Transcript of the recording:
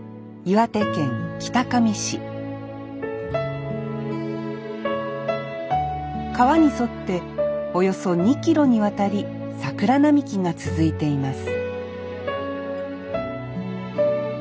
市川に沿っておよそ２ｋｍにわたり桜並木が続いています